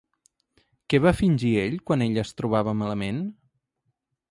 Què va fingir ell quan ella es trobava malament?